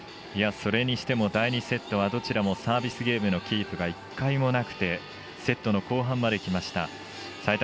それにしても第２セットは、どちらもサービスゲームのキープが１回もなくてセットの後半まできました。